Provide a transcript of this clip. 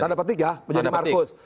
tadapat tiga menjadi markus